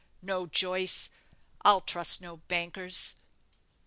No, Joyce, I'll trust no bankers."